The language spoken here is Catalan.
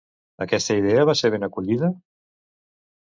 Aquesta idea va ser ben acollida?